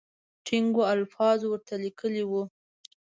ټینګو الفاظو ورته لیکلي وو.